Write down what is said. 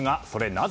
なぜ